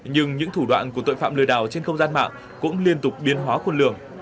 nhưng những thủ đoạn của tội phạm lừa đảo trên không gian mạng cũng liên tục biến hóa khuôn lường